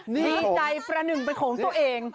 ดีใจประหนึ่งเป็นของตัวเอง